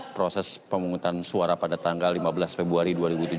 proses pemungutan suara pada tanggal lima belas februari dua ribu tujuh belas